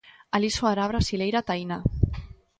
Alí soará a brasileira Tainá.